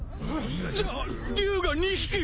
じゃあ龍が２匹！？